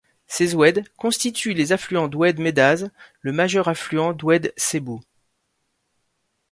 Ces oueds constituent les affluents d’oued Medaz, le majeur affluent d’oued Sebou.